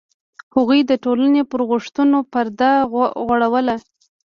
هغوی د ټولنې پر غوښتنو پرده غوړوله.